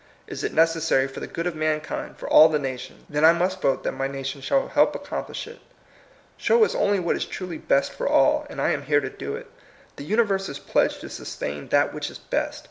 Is it necessary for the good of mankind, for all the nations? Then I must vote that my nation shall help accomplish it. Show us only what is truly best for all, and I am here to do it. The universe is pledged to sustain that which is best.